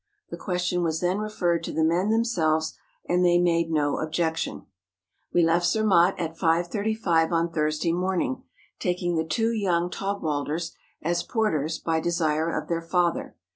The question was then referred to the men themselves, and they made no objection. We left Zermatt at 5.35 on Thursday morning, taking the two young Taugwalders as porters by de¬ sire of their father.